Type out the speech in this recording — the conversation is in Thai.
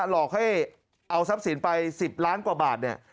หลอกให้เอาทรัพย์สินไป๑๐ล้านกว่าบาทเนี่ย